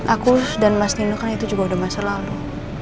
aku dan mas dino kan itu juga udah masa lalu